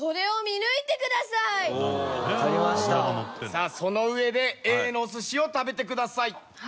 さあそのうえでＡのお寿司を食べてください。